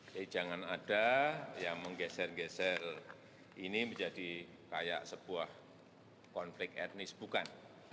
jadi jangan ada yang menggeser geser ini menjadi kayak sebuah konflik etnis bukan